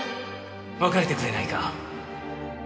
別れてくれないか？